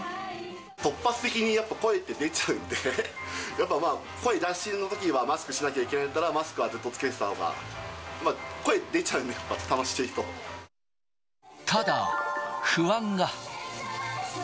突発的にやっぱ声って出ちゃうんで、声出しのときはマスクしなきゃいけないんだったら、マスクはずって着けてたほうが、声出ちゃうんで、やっぱ、楽しいただ不安が。